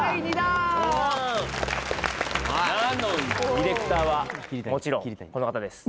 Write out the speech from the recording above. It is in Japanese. ディレクターはもちろんこの方です